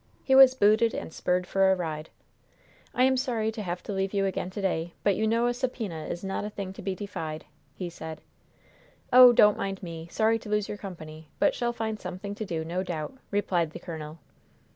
He was booted and spurred for a ride. "I am sorry to have to leave you again to day, but you know a subpoena is a thing not to be defied," he said. "Oh, don't mind me. Sorry to lose your company, but shall find something to do, no doubt," replied the colonel.